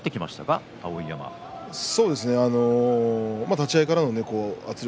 立ち合いからの圧力